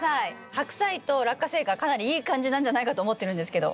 ハクサイとラッカセイがかなりいい感じなんじゃないかと思ってるんですけど。